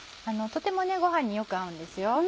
とてもご飯によく合うんですよ。